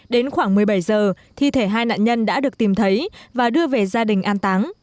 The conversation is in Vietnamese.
đến khoảng một mươi bảy giờ thi thể hai nạn nhân đã được tìm thấy và đưa về gia đình an táng